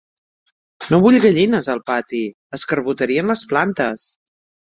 No vull gallines, al pati: escarbotarien les plantes.